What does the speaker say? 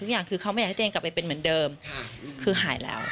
ทุกอย่างคือเขาไม่อยากให้ตัวเองกลับไปเป็นเหมือนเดิมคือหายแล้ว